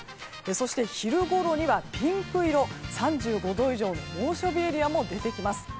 そして、昼ごろにはピンク色の３５度以上の猛暑日エリアも出てきます。